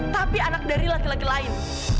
tapi anak dari laki laki lain